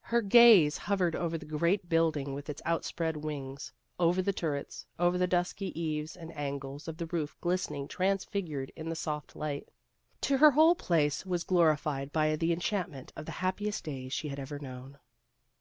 Her gaze hovered over the great building with its outspread wings over the turrets, over the dusky eaves and angles of the roof glistening transfigured in the soft light. To her the whole place was glorified by the enchantment of the happiest days she had ever known.